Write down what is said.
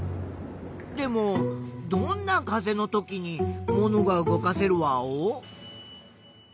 でもどんな風のときにものが動かせるワオ？